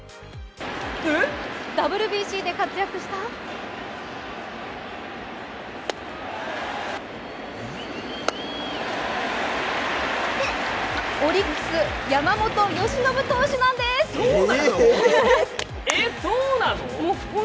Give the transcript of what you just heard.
ＷＢＣで活躍したオリックス・山本由伸投手なんですえっ、そうなの！？